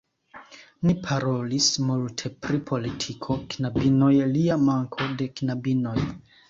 Ni parolis multe pri politiko, knabinoj, lia manko de knabinoj